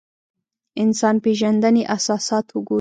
انسان پېژندنې اساسات وګورو.